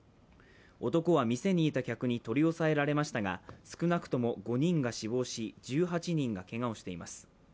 男は店にいた客に取り押さえられましたが、少なくとも５人が死亡し１８人がけがをしています。